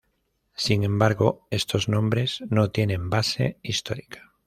Sin embargo estos nombres no tienen base histórica.